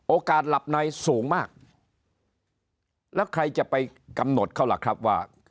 หลับในสูงมากแล้วใครจะไปกำหนดเขาล่ะครับว่า